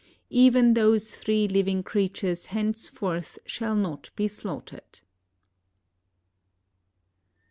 Even those three living crea tures henceforth shall not be slaughtered.